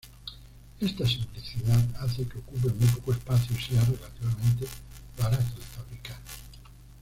Esta simplicidad hace que ocupe muy poco espacio y sea relativamente barato de fabricar.